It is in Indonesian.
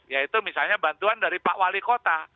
yaitu misalnya bantuan dari pak wali kota